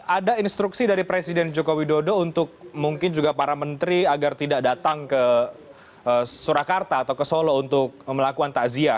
ada instruksi dari presiden joko widodo untuk mungkin juga para menteri agar tidak datang ke surakarta atau ke solo untuk melakukan takziah